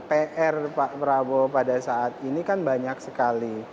pr pak prabowo pada saat ini kan banyak sekali